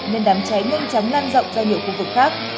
nên đám cháy ngân chấm lan rộng ra nhiều khu vực khác